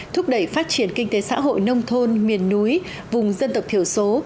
thúc đẩy phát triển kinh tế xã hội nông thôn miền núi vùng dân tộc thiểu số